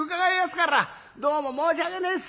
どうも申し訳ねえっす」。